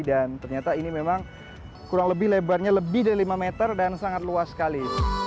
dan ternyata ini memang kurang lebih lebarnya lebih dari lima meter dan sangat luas sekali